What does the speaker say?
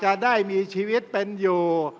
จะได้มีชีวิตเป็นอยู่